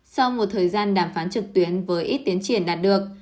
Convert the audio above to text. sau một thời gian đàm phán trực tuyến với ít tiến triển đạt được